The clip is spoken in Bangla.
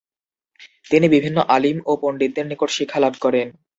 তিনি বিভিন্ন আলিম ও পণ্ডিতদের নিকট শিক্ষা লাভ করেন।